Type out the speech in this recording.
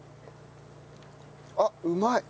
あっうまい！